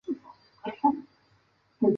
英国政府作品受到或限制。